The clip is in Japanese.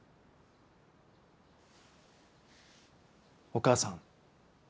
お母さん。